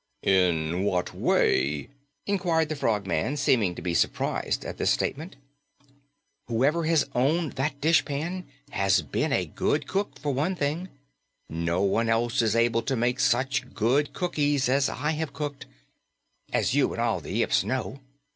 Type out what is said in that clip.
"In what way?" inquired the Frogman, seeming to be surprised at this statement. "Whoever has owned that dishpan has been a good cook, for one thing. No one else is able to make such good cookies as I have cooked, as you and all the Yips know.